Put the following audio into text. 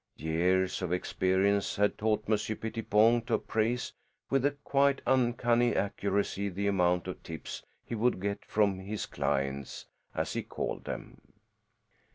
Years of experience had taught Monsieur Pettipon to appraise with a quite uncanny accuracy the amount of tips he would get from his clients, as he called them.